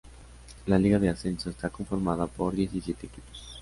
La Liga de Ascenso está conformada por diecisiete equipos.